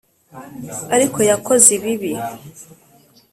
Ariko yakoze ibibi.